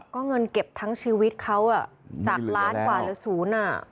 ก็เงินเก็บทั้งชีวิตเขาจากล้านกว่าหรือศูนย์